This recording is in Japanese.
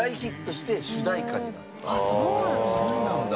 そうなんだ。